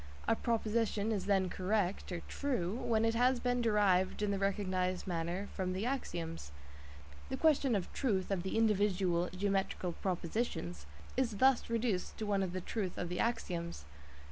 A proposition is then correct ("true") when it has been derived in the recognised manner from the axioms. The question of "truth" of the individual geometrical propositions is thus reduced to one of the "truth" of the axioms.